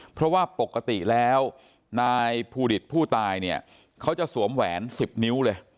เพราะว่าปกติแล้วนายภูดิตผู้ตายเนี่ยเขาจะสวมแหวน๑๐นิ้วเลย